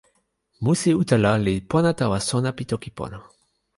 musi utala li pona tawa sona pi toki pona.